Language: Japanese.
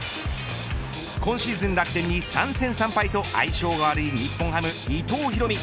今シーズン楽天に、３戦３敗と相性の悪い日本ハム伊藤大海。